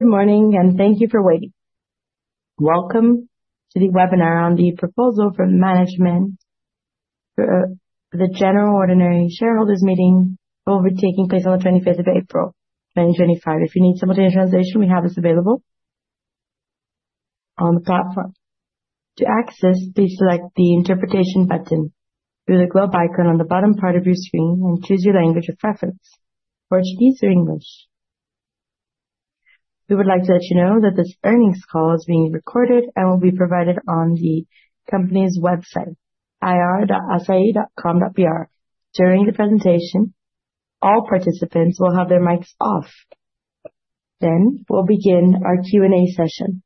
Good morning, and thank you for waiting. Welcome to the webinar on the proposal for management for the General Ordinary Shareholders' Meeting overtaking place on the 25th of April, 2025. If you need simultaneous translation, we have this available on the platform. To access, please select the Interpretation button through the globe icon on the bottom part of your screen and choose your language of preference: Portuguese or English. We would like to let you know that this earnings call is being recorded and will be provided on the company's website, ir.assai.com.br. During the presentation, all participants will have their mics off. We will begin our Q&A session.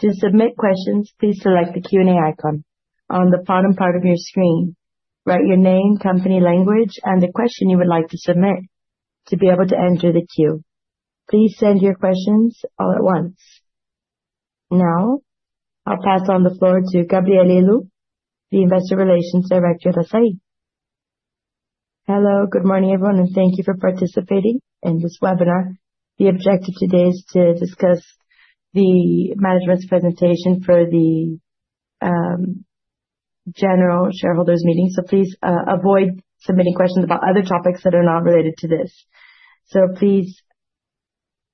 To submit questions, please select the Q&A icon on the bottom part of your screen. Write your name, company, language, and the question you would like to submit to be able to enter the queue. Please send your questions all at once. Now, I'll pass on the floor to Gabrielle Helú, the Investor Relations Director at Assaí. Hello, good morning, everyone, and thank you for participating in this webinar. The objective today is to discuss the management's presentation for the General Shareholders' Meeting. Please avoid submitting questions about other topics that are not related to this.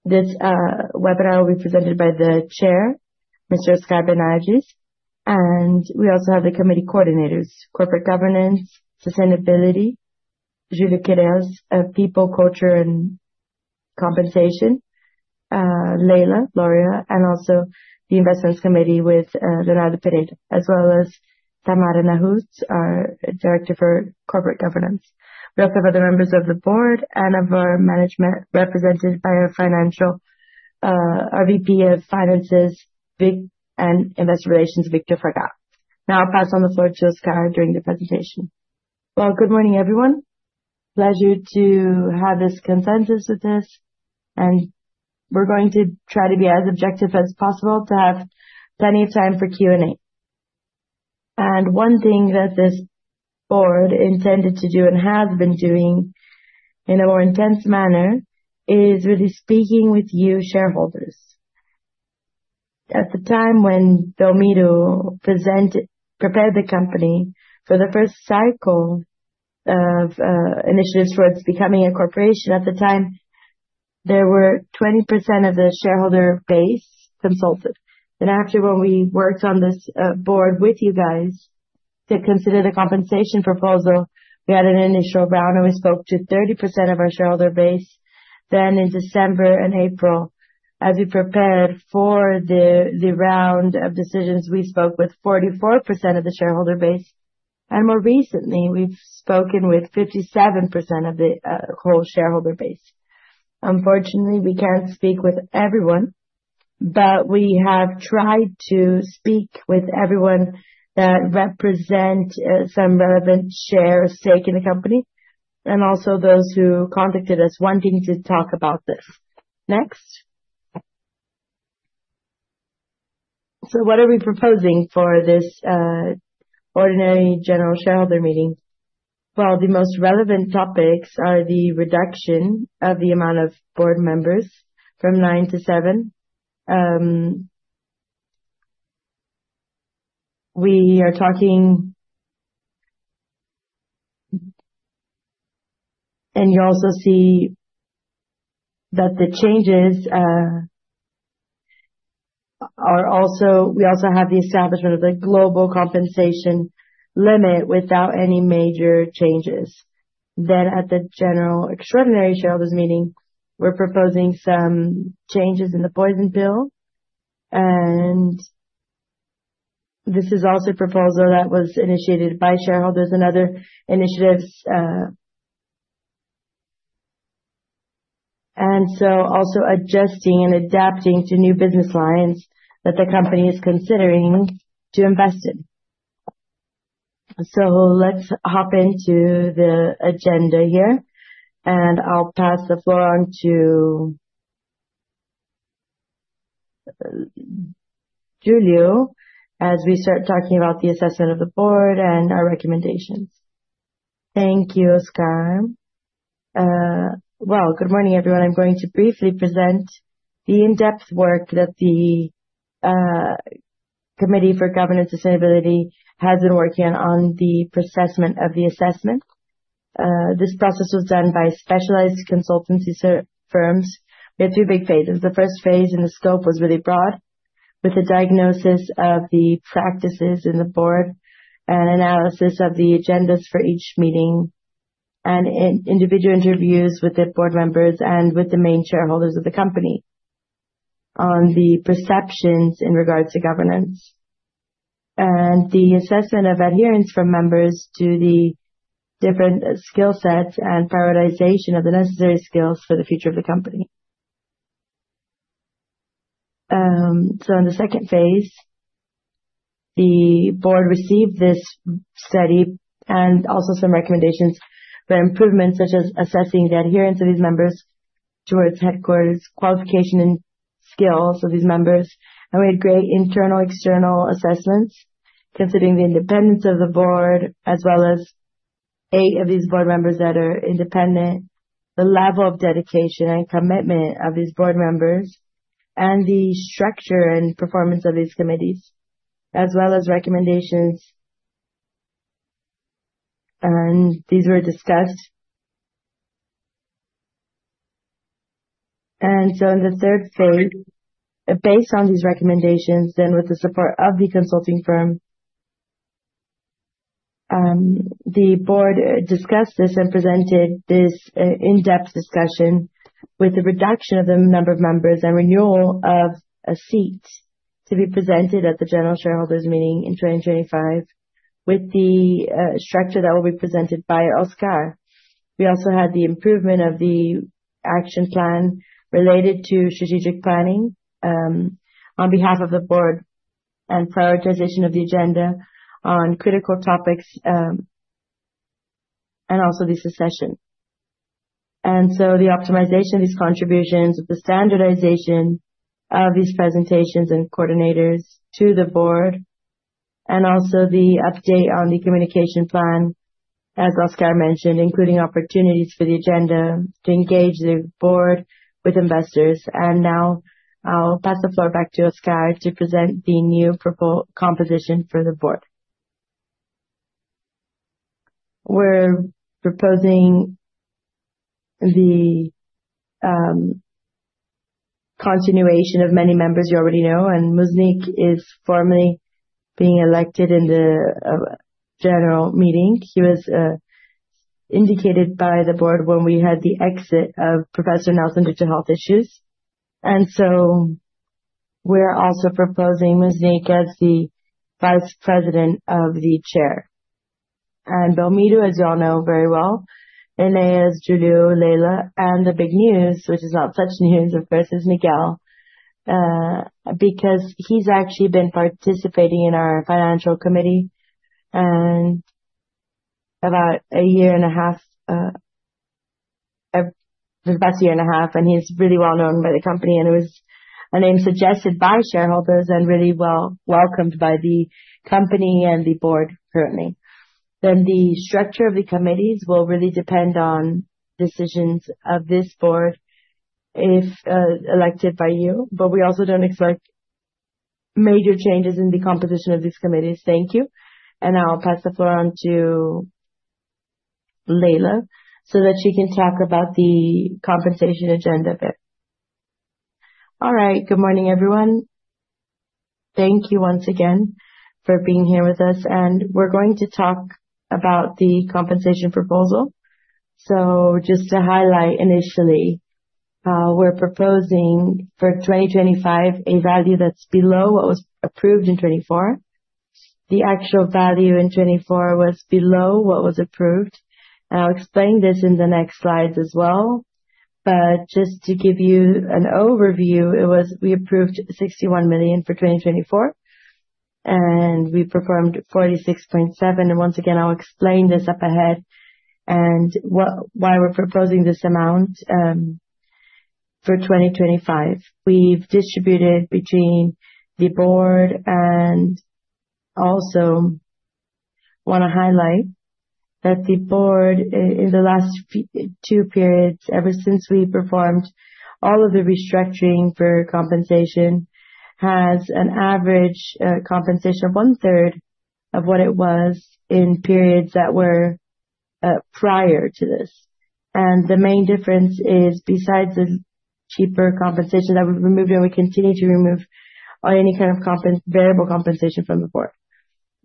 This webinar will be presented by the Chair, Mr. Oscar Bernardes, and we also have the committee coordinators, Corporate Governance, Sustainability, Júlio Queiroz, People, Culture, and Compensation, Leila Loria, and also the Investments Committee with Leonardo Pereira, as well as Tamara Nahuz, our Director for Corporate Governance. We also have other members of the board and of our management represented by our VP of Finances and Investor Relations, Vitor Fagá. Now I'll pass on the floor to Oscar during the presentation. Good morning, everyone. Pleasure to have this consensus with this, and we're going to try to be as objective as possible to have plenty of time for Q&A. One thing that this board intended to do and has been doing in a more intense manner is really speaking with you shareholders. At the time when Belmiro prepared the company for the first cycle of initiatives towards becoming a corporation, at the time, there were 20% of the shareholder base consulted. After, when we worked on this board with you guys to consider the compensation proposal, we had an initial round and we spoke to 30% of our shareholder base. In December and April, as we prepared for the round of decisions, we spoke with 44% of the shareholder base. More recently, we've spoken with 57% of the whole shareholder base. Unfortunately, we can't speak with everyone, but we have tried to speak with everyone that represents some relevant share or stake in the company, and also those who contacted us wanting to talk about this. Next. What are we proposing for this Ordinary General Shareholder Meeting? The most relevant topics are the reduction of the amount of board members from nine to seven. You also see that the changes are also we also have the establishment of the global compensation limit without any major changes. At the General Extraordinary Shareholders' Meeting, we're proposing some changes in the poison pill. This is also a proposal that was initiated by shareholders and other initiatives. Also adjusting and adapting to new business lines that the company is considering to invest in. Let's hop into the agenda here, and I'll pass the floor on to Júlio as we start talking about the assessment of the board and our recommendations. Thank you, Oscar. Good morning, everyone. I'm going to briefly present the in-depth work that the Committee for Governance and Sustainability has been working on on the assessment of the assessment. This process was done by specialized consultancy firms. We had three big phases. The first phase and the scope was really broad, with the diagnosis of the practices in the board and analysis of the agendas for each meeting and individual interviews with the board members and with the main shareholders of the company on the perceptions in regards to governance and the assessment of adherence from members to the different skill sets and prioritization of the necessary skills for the future of the company. In the second phase, the board received this study and also some recommendations for improvements, such as assessing the adherence of these members towards headquarters qualification and skills of these members. We had great internal and external assessments considering the independence of the board, as well as eight of these board members that are independent, the level of dedication and commitment of these board members, and the structure and performance of these committees, as well as recommendations. These were discussed. In the third phase, based on these recommendations, with the support of the consulting firm, the board discussed this and presented this in-depth discussion with the reduction of the number of members and renewal of a seat to be presented at the General Shareholders' Meeting in 2025 with the structure that will be presented by Oscar. We also had the improvement of the action plan related to strategic planning on behalf of the board and prioritization of the agenda on critical topics and also the succession. The optimization of these contributions, the standardization of these presentations and coordinators to the board, and also the update on the communication plan, as Oscar mentioned, including opportunities for the agenda to engage the board with investors. Now I'll pass the floor back to Oscar to present the new composition for the board. We're proposing the continuation of many members you already know, and Müssnich is formally being elected in the General Meeting. He was indicated by the board when we had the exit of Professor Nelson due to health issues. We're also proposing Müssnich as the Vice President of the Chair. Belmiro, as you all know very well, Enéas, Júlio, Leila, and the big news, which is not such news, of course, is Miguel, because he's actually been participating in our Financial Committee for about a year and a half, the past year and a half, and he's really well known by the company. It was a name suggested by shareholders and really well welcomed by the company and the board currently. The structure of the committees will really depend on decisions of this board if elected by you, but we also don't expect major changes in the composition of these committees. Thank you. I'll pass the floor on to Leila so that she can talk about the compensation agenda bit. All right, good morning, everyone. Thank you once again for being here with us. We're going to talk about the compensation proposal. Just to highlight initially, we're proposing for 2025 a value that's below what was approved in 2024. The actual value in 2024 was below what was approved. I'll explain this in the next slides as well. Just to give you an overview, we approved 61 million for 2024, and we performed 46.7 million. Once again, I'll explain this up ahead and why we're proposing this amount for 2025. We've distributed between the board and also want to highlight that the board in the last two periods, ever since we performed all of the restructuring for compensation, has an average compensation of one-third of what it was in periods that were prior to this. The main difference is besides the cheaper compensation that we've removed and we continue to remove any kind of variable compensation from the board.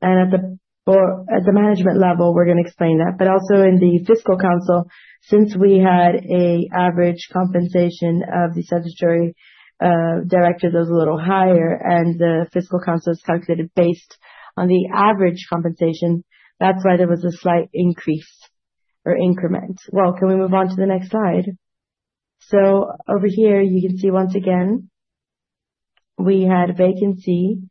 At the management level, we're going to explain that. Also in the Fiscal Council, since we had an average compensation of the Statutory Director that was a little higher, and the Fiscal Council is calculated based on the average compensation, that's why there was a slight increase or increment. Can we move on to the next slide? Over here, you can see once again, we had a vacancy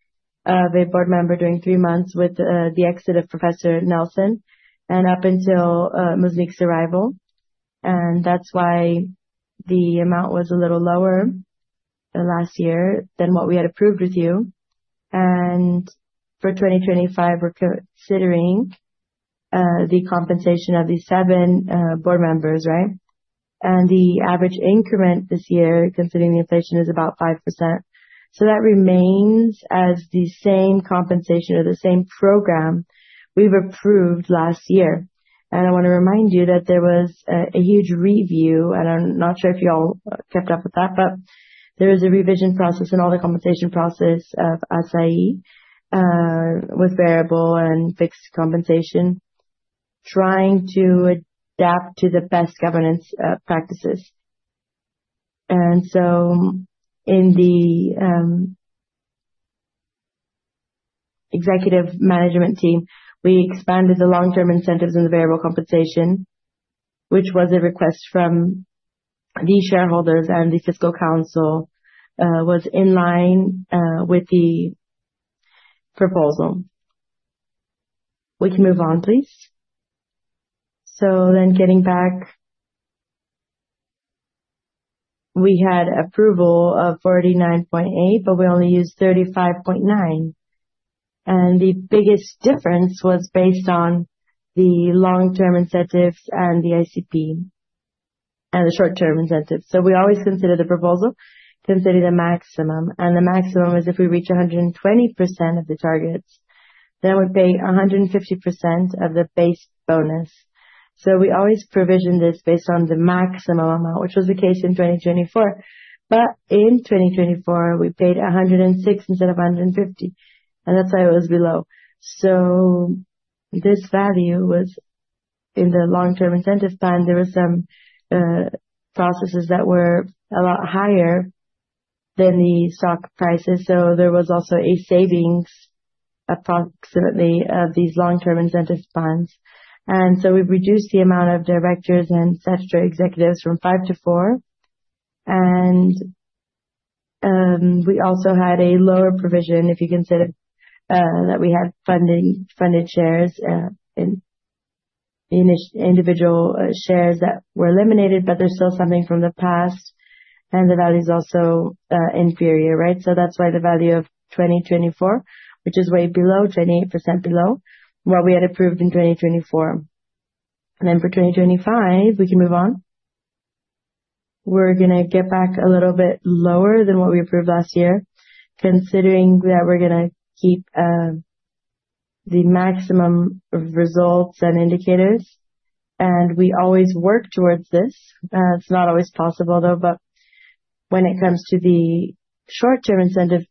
of a board member during three months with the exit of Professor Nelson and up until Müssnich's arrival. That's why the amount was a little lower last year than what we had approved with you. For 2025, we're considering the compensation of the seven board members, right? The average increment this year, considering the inflation, is about 5%. That remains as the same compensation or the same program we've approved last year. I want to remind you that there was a huge review, and I'm not sure if you all kept up with that, but there is a revision process and all the compensation process of Assaí with variable and fixed compensation trying to adapt to the best governance practices. In the executive management team, we expanded the long-term incentives and the variable compensation, which was a request from the shareholders and the Fiscal Council was in line with the proposal. We can move on, please. Getting back, we had approval of 49.8 million, but we only used 35.9 million. The biggest difference was based on the long-term incentives and the ICP and the short-term incentives. We always consider the proposal, consider the maximum. The maximum is if we reach 120% of the targets, then we pay 150% of the base bonus. We always provision this based on the maximum amount, which was the case in 2024. In 2024, we paid $106 instead of $150. That is why it was below. This value was in the long-term incentive plan. There were some processes that were a lot higher than the stock prices. There was also a savings approximately of these long-term incentive plans. We have reduced the amount of directors and Statutory Executives from five to four. We also had a lower provision if you consider that we had funded shares in individual shares that were eliminated, but there is still something from the past. The value is also inferior, right? That is why the value of 2024, which is way below, 28% below what we had approved in 2024. For 2025, we can move on. We're going to get back a little bit lower than what we approved last year, considering that we're going to keep the maximum results and indicators. We always work towards this. It's not always possible, though, but when it comes to the short-term incentive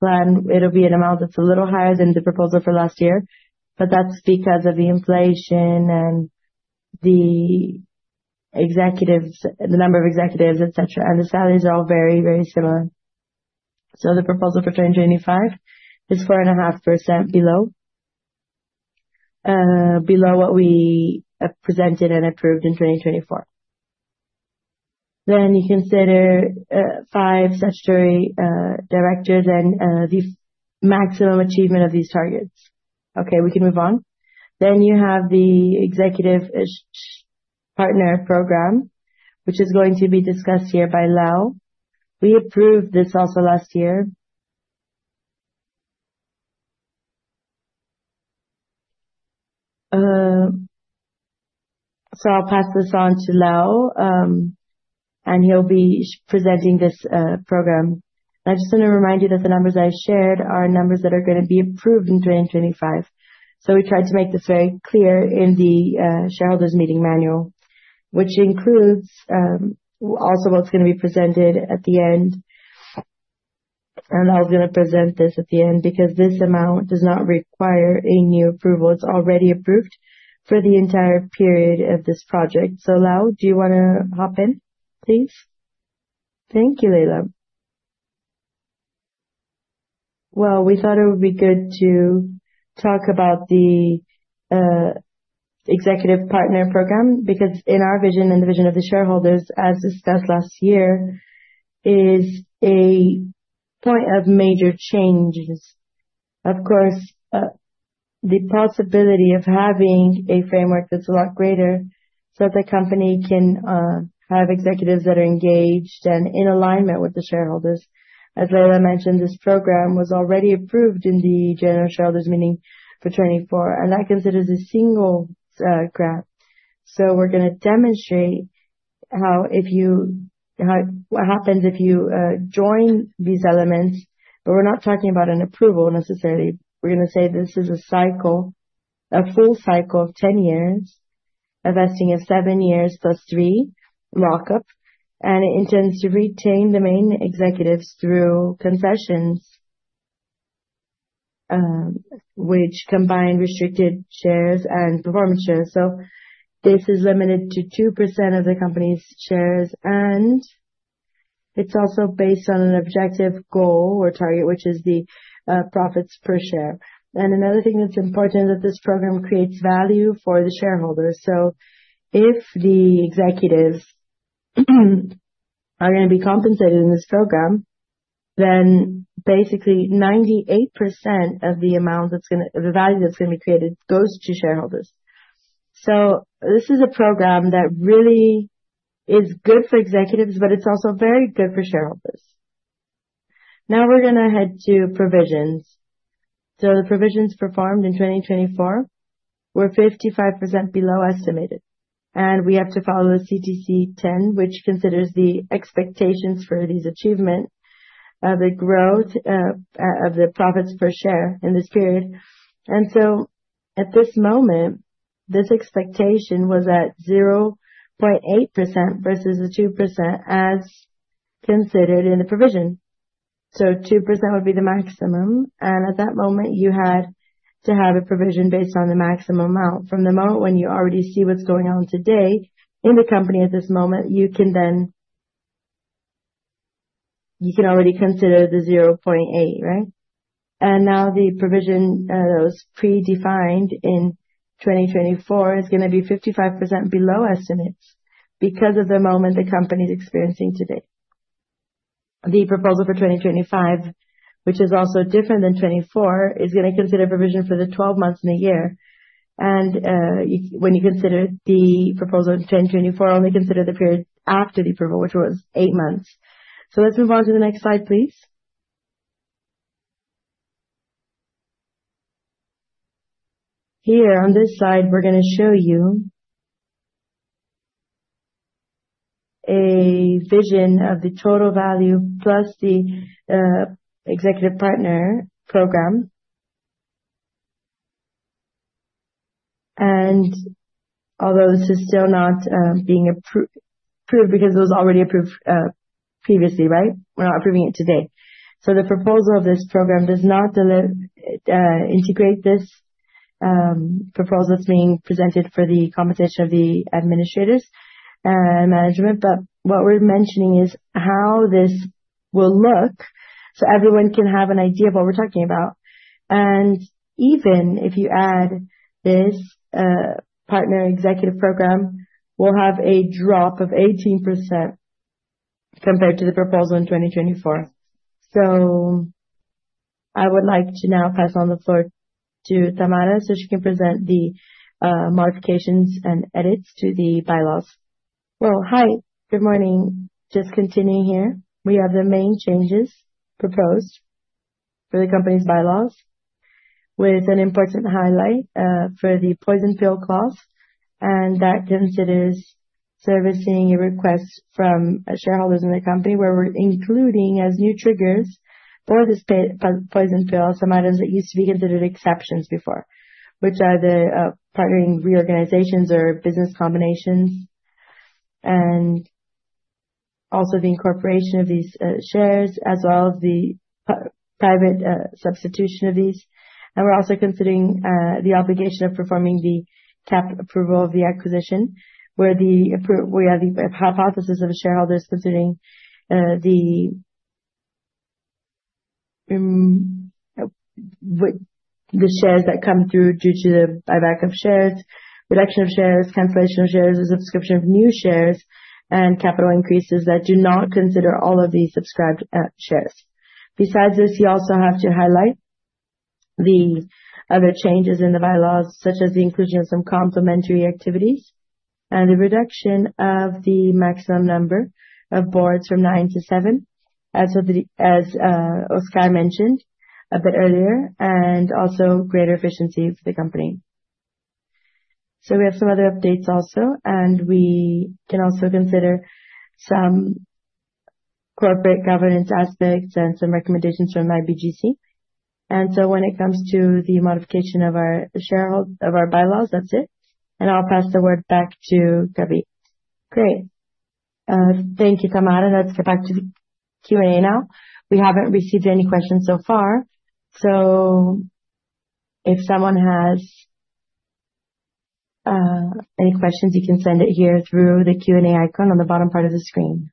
plan, it'll be an amount that's a little higher than the proposal for last year. That's because of the inflation and the executives, the number of executives, etc. The salaries are all very, very similar. The proposal for 2025 is 4.5% below what we presented and approved in 2024. You consider five Statutory Directors and the maximum achievement of these targets. Okay, we can move on. You have the Executive Partner Program, which is going to be discussed here by Léo. We approved this also last year. I'll pass this on to Léo, and he'll be presenting this program. I just want to remind you that the numbers I shared are numbers that are going to be approved in 2025. We tried to make this very clear in the shareholders' meeting manual, which includes also what is going to be presented at the end. I was going to present this at the end because this amount does not require a new approval. It is already approved for the entire period of this project. Léo, do you want to hop in, please? Thank you, Leila. We thought it would be good to talk about the Executive Partner Program because in our vision and the vision of the shareholders, as discussed last year, is a point of major changes. Of course, the possibility of having a framework that is a lot greater so that the company can have executives that are engaged and in alignment with the shareholders. As Leila mentioned, this program was already approved in the General Shareholders' Meeting for 2024, and that considers a single grant. We are going to demonstrate how what happens if you join these elements, but we are not talking about an approval necessarily. We are going to say this is a cycle, a full cycle of 10 years, a vesting of 7 years plus 3 lockup, and it intends to retain the main executives through concessions, which combine restricted shares and performance shares. This is limited to 2% of the company's shares, and it is also based on an objective goal or target, which is the profits per share. Another thing that is important is that this program creates value for the shareholders. If the executives are going to be compensated in this program, then basically 98% of the amount that's going to the value that's going to be created goes to shareholders. This is a program that really is good for executives, but it's also very good for shareholders. Now we're going to head to provisions. The provisions performed in 2024 were 55% below estimated. We have to follow the CPC 10, which considers the expectations for these achievements of the growth of the profits per share in this period. At this moment, this expectation was at 0.8% versus the 2% as considered in the provision. 2% would be the maximum. At that moment, you had to have a provision based on the maximum amount. From the moment when you already see what's going on today in the company at this moment, you can then you can already consider the 0.8, right? Now the provision that was predefined in 2024 is going to be 55% below estimates because of the moment the company is experiencing today. The proposal for 2025, which is also different than 2024, is going to consider provision for the 12 months in a year. When you consider the proposal in 2024, only consider the period after the approval, which was 8 months. Let's move on to the next slide, please. Here on this slide, we're going to show you a vision of the total value plus the Executive Partner Program. Although this is still not being approved because it was already approved previously, right? We're not approving it today. The proposal of this program does not integrate this proposal that's being presented for the compensation of the administrators and management. What we're mentioning is how this will look so everyone can have an idea of what we're talking about. Even if you add this partner executive program, we'll have a drop of 18% compared to the proposal in 2024. I would like to now pass on the floor to Tamara so she can present the modifications and edits to the bylaws. Hi, good morning. Just continuing here. We have the main changes proposed for the company's bylaws with an important highlight for the poison pill clause. That considers servicing a request from shareholders in the company where we're including as new triggers for this poison pill some items that used to be considered exceptions before, which are the partnering reorganizations or business combinations and also the incorporation of these shares as well as the private substitution of these. We're also considering the obligation of performing the cap approval of the acquisition where we have the hypothesis of shareholders considering the shares that come through due to the buyback of shares, reduction of shares, cancellation of shares, the subscription of new shares, and capital increases that do not consider all of the subscribed shares. Besides this, you also have to highlight the other changes in the bylaws, such as the inclusion of some complementary activities and the reduction of the maximum number of boards from nine to seven, as Oscar mentioned a bit earlier, and also greater efficiency for the company. We have some other updates also, and we can also consider some corporate governance aspects and some recommendations from IBGC. When it comes to the modification of our bylaws, that's it. I'll pass the word back to Gabi. Great. Thank you, Tamara. Let's get back to the Q&A now. We haven't received any questions so far. If someone has any questions, you can send it here through the Q&A icon on the bottom part of the screen.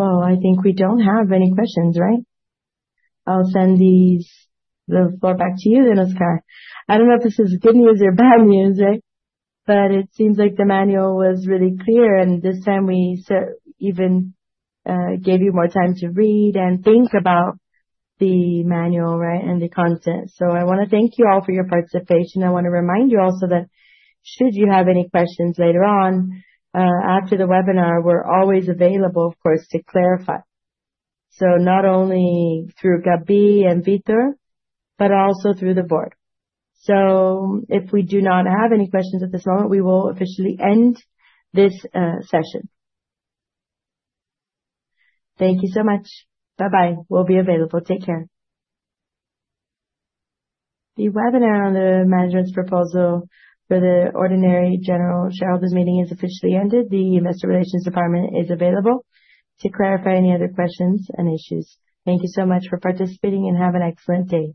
I think we don't have any questions, right? I'll send the floor back to you then, Oscar. I don't know if this is good news or bad news, right? But it seems like the manual was really clear, and this time we even gave you more time to read and think about the manual, right, and the content. I want to thank you all for your participation. I want to remind you also that should you have any questions later on, after the webinar, we're always available, of course, to clarify. Not only through Gabi and Vito, but also through the board. If we do not have any questions at this moment, we will officially end this session. Thank you so much. Bye-bye. We'll be available. Take care. The webinar on the management's proposal for the ordinary general shareholders' meeting is officially ended. The investor relations department is available to clarify any other questions and issues. Thank you so much for participating and have an excellent day.